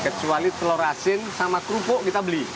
kecuali telur asin sama kerupuk kita beli